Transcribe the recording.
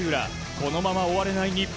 このまま終われない日本。